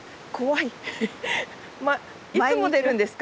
いつも出るんですか？